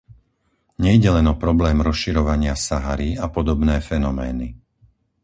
Nejde len o problém rozširovania Sahary a podobné fenomény.